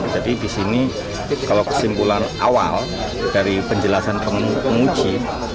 jadi di sini kalau kesimpulan awal dari penjelasan penguji